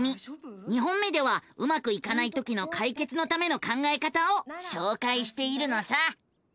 ２本目ではうまくいかないときの解決のための考えた方をしょうかいしているのさ。